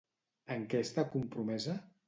En què està compromesa?